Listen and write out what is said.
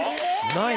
ない！